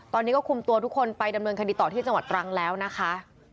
ตอนนี้ก็คุมตัวทุกคนไปดำเนินคดีต่อที่จังหวัดตรังแล้วนะคะ